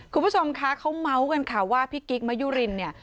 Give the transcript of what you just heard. คุณผู้ชมคะเขาเมาส์กันค่ะว่าพี่กิ๊กมะยุรินเนี่ย